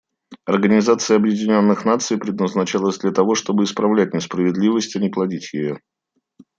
Организация Объединенных Наций предназначалась для того, чтобы исправлять несправедливость, а не плодить ее.